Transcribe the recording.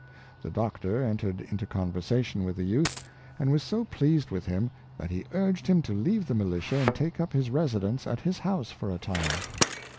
The Doctor entered into conversation with the youth, and was so pleased with him, that he urged him to leave the mill tia and take up his residence at his house for a time.